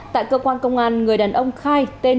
tại cơ quan công an người đàn ông khai tên